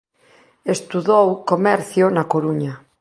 Estudou Comercio na Coruña.